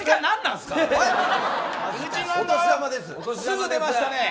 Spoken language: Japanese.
すぐ出ましたね。